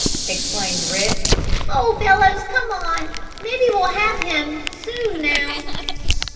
exclaimed Rick. "Oh, fellows, come on! Maybe we'll have him, soon, now!"